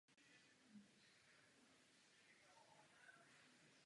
Proto jsem usnesení podpořil.